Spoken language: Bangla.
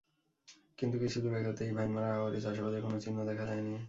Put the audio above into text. কিন্তু কিছু দূর এগোতেই ভাইমারা হাওরে চাষাবাদের কোনো চিহ্ন দেখা যায়নি।